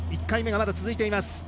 １回目がまだ続いています。